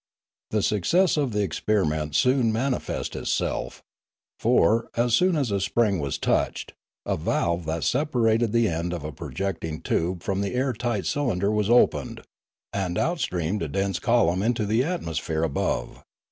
The success of the experiment soon mani fested itself; for, as soon as a spring was touched, a valve that separated the end of a projecting tube from the air tight cylinder was opened, and out streamed a dense column into the atmosphere above.